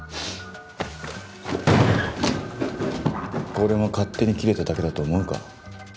これも勝手にキレただけだと思うか？